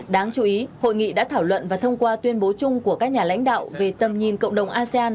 đáng chú ý hội nghị đã thảo luận và thông qua tuyên bố chung của các nhà lãnh đạo về tầm nhìn cộng đồng asean